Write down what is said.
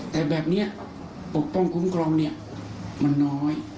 แต่แบบนี้ปกป้องคุ้มครองเนี่ยมันน้อย